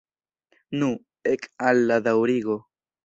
Nu, ek al la daŭrigo!